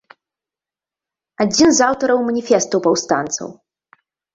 Адзін з аўтараў маніфестаў паўстанцаў.